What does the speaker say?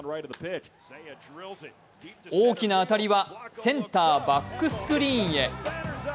大きな当たりは、センターバックスクリーンへ。